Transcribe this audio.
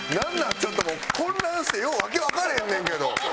ちょっともう混乱してようわけわからへんねんけど！